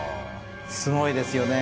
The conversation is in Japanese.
すごいですよね。